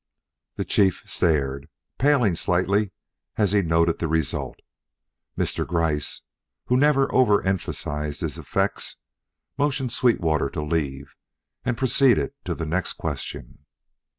The Chief stared, paling slightly as he noted the result. Mr. Gryce, who never overemphasised his effects, motioned Sweetwater to leave and proceeded to the next question.